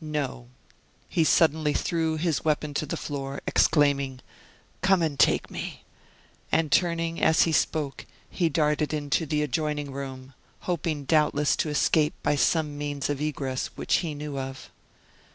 No, he suddenly threw his weapon to the floor, exclaiming: "Come and take me!" And turning as he spoke he darted into the adjoining room, hoping doubtless to escape by some means of egress which he knew of.